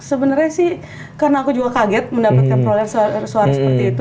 sebenarnya sih karena aku juga kaget mendapatkan perolehan suara seperti itu